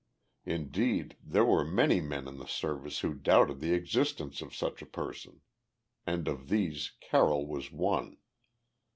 Indeed, there were many men in the Service who doubted the existence of such a person, and of these Carroll was one.